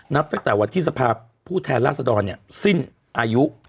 นับตั้งแต่วันที่สภาพผู้แทนราษดรสิ้นอายุ